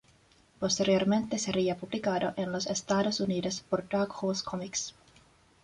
Posteriormente sería publicado en los Estados Unidos por Dark Horse Comics.